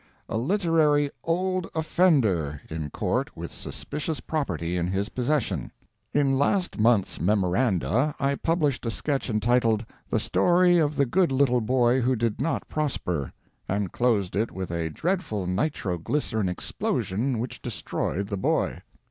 A LITERARY "OLD OFFENDER" IN COURT WITH SUSPICIOUS PROPERTY IN HIS POSSESSION In last month's MEMORANDA I published a sketch entitled "The Story of the Good Little Boy Who Did Not Prosper," and closed it with a dreadful nitro glycerine explosion which destroyed the boy.